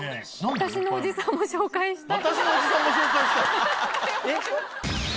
「私のおじさんも紹介したい」！